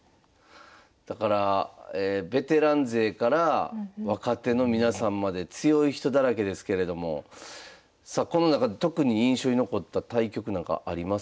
だからベテラン勢から若手の皆さんまで強い人だらけですけれどもさあこの中で特に印象に残った対局なんかありますか？